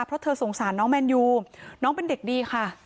เพราะเธอสงสารน้องแมนยูน้องเป็นเด็กดีค่ะ